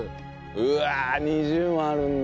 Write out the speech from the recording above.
うわ２０もあるんだ。